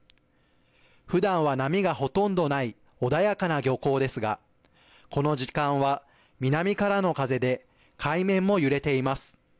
ふだんは波がほとんどない穏やかな漁港ですがこの時間は南からの風で海面も揺れています。